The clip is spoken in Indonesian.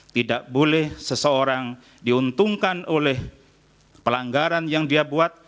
tidak boleh seseorang diuntungkan oleh pelanggaran yang dia buat